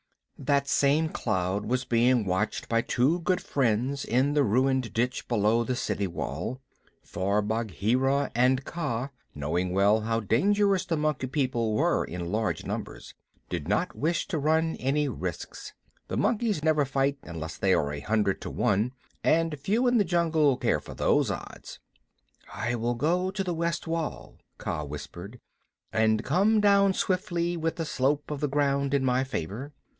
That same cloud was being watched by two good friends in the ruined ditch below the city wall, for Bagheera and Kaa, knowing well how dangerous the Monkey People were in large numbers, did not wish to run any risks. The monkeys never fight unless they are a hundred to one, and few in the jungle care for those odds. "I will go to the west wall," Kaa whispered, "and come down swiftly with the slope of the ground in my favor.